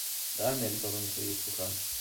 Därmed gav de sig ut på sjön.